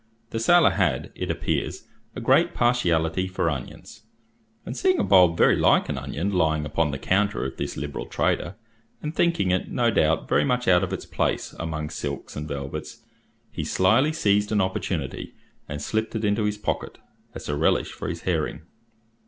The sailor had, it appears, a great partiality for onions, and seeing a bulb very like an onion lying upon the counter of this liberal trader, and thinking it, no doubt, very much out of its place among silks and velvets, he slily seized an opportunity and slipped it into his pocket, as a relish for his herring.